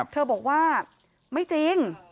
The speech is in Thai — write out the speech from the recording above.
เธอบอกว่าไม่จริง